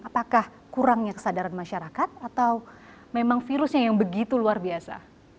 apakah kurangnya kesadaran masyarakat atau memang virusnya yang begitu luar biasa